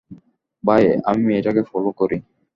ভাই, আমি মেয়েটাকে ফলো করি।